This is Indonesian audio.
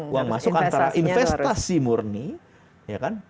uang masuk antara investasi murni ya kan